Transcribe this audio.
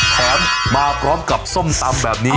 แถมมาพร้อมกับส้มตำแบบนี้